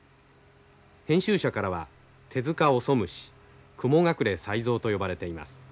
編集者からは「手塚遅虫」「雲隠れ才蔵」と呼ばれています。